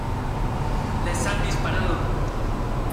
¡ les han disparado!